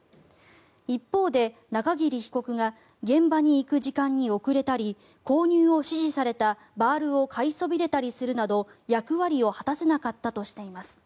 一方で、中桐被告が現場に行く時間に遅れたり購入を指示されたバールを買いそびれたりするなど役割を果たせなかったとしています。